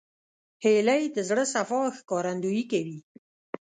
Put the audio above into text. هیلۍ د زړه صفا ښکارندویي کوي